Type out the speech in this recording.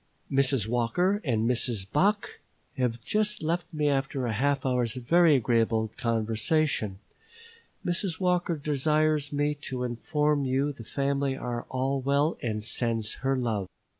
Mrs. Walker and Mrs. Bache have just left me after a half hour's very agreeable conversation. Mrs. Walker desires me to inform you the family are all well and sends her love.